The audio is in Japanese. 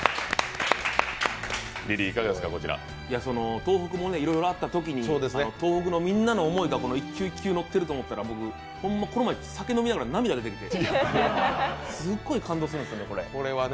東北もいろいろあったときに東北のみんなの思いが一球一球にのっていると思ったら僕、ほんま、この前、酒飲みながら涙出てきてすっごい感動するんですよねこれ。